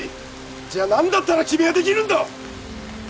じゃあ何だったら君はできるんだ？